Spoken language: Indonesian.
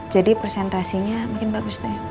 jadi presentasinya mungkin bagus deh